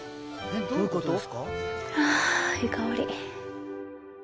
ああいい香り。